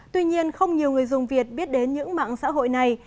tuy nhiên không nhiều người dùng việt biết đến những mạng xã hội này